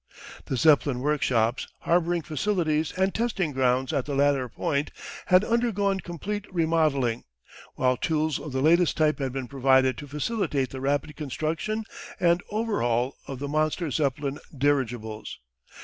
The Zeppelin workshops, harbouring facilities, and testing grounds at the latter point had undergone complete remodelling, while tools of the latest type had been provided to facilitate the rapid construction and overhaul of the monster Zeppelin dirigibles.